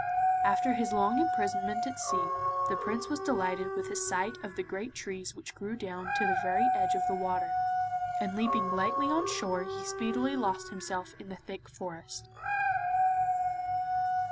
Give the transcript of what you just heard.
After his long imprisonment at sea the Prince was delighted with the sight of the great trees which grew down to the very edge of the water, and leaping lightly on shore he speedily lost himself in the thick forest.